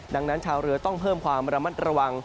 ดังนั้นชาวเรือต้องเพิ่มความระมัดระวัง